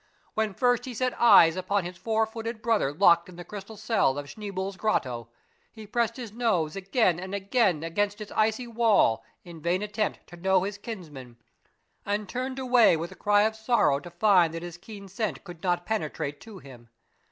When first he set eyes upon his four footed brother locked in the crystal cell of Schneeboule's Grotto, he pressed his nose again and again against its icy wall in vain attempt fo know his kinsman, and turned away with a cry of sorrow to find that his keen scent could not penetrate to him.